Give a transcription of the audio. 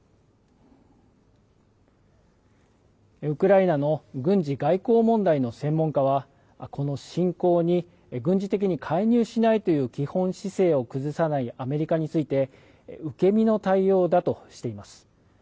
ウクライナの軍事外交問題の専門家は、この侵攻に軍事的に介入しないという基本姿勢を崩さないアメリカについて、受け身の対応だとしています。